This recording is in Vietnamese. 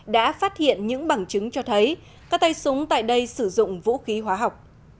đã phát hiện những bằng chứng cho thấy các tay súng tại đây sử dụng vũ khí hóa học